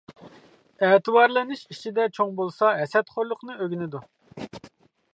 ئەتىۋارلىنىش ئىچىدە چوڭ بولسا، ھەسەتخورلۇقنى ئۆگىنىدۇ.